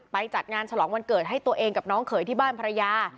จัดงานฉลองวันเกิดให้ตัวเองกับน้องเขยที่บ้านภรรยา